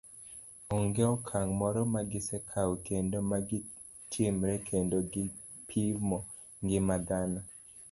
Ong'e okang' moro magi sekawo kendo magi timre kendo gi pimo ngima dhano.